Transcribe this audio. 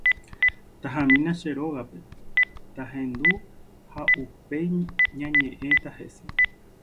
Tarahamína che rógape, tahendu ha upéi ñañe'ẽta hese.